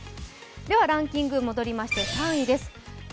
ではランキング戻りまして３位です